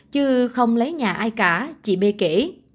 chứ không lấy nhà ai cả chị b kể